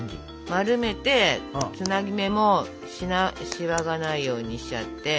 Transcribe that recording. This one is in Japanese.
丸めてつなぎ目もシワがないようにしちゃって。